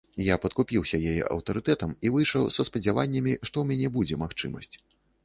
Я падкупіўся яе аўтарытэтам і выйшаў са спадзяваннямі, што ў мяне будзе магчымасць.